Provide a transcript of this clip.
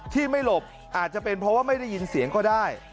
ที่ไม่หลบอาจจะเป็นเพราะว่าไม่ได้ยินเสียงก็ได้